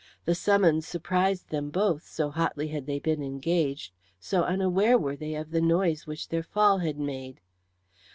The summons surprised them both, so hotly had they been engaged, so unaware were they of the noise which their fall had made.